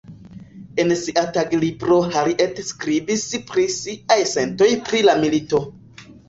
En sia taglibro Harriet skribis pri siaj sentoj pri la milito.